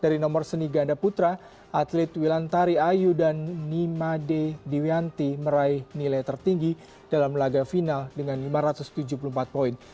dari nomor seni ganda putra atlet wilantari ayu dan nimade diwianti meraih nilai tertinggi dalam laga final dengan lima ratus tujuh puluh empat poin